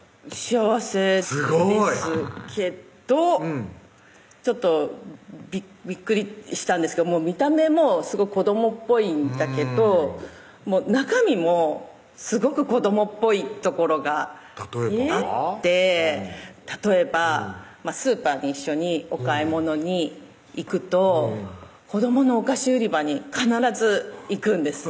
幸せですけどちょっとびっくりしたんですけど見た目もすごく子どもっぽいんだけど中身もすごく子どもっぽいところが例えば？あって例えばスーパーに一緒にお買い物に行くと子どものお菓子売り場に必ず行くんです